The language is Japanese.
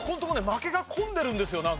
負けが込んでるんですよなんか。